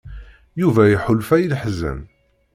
Yuba iḥulfa i leḥzen.